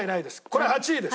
これ８位です！